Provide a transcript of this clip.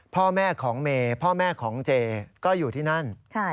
พ่อแม่ของเมย์พ่อแม่ของเจก็อยู่ที่นั่น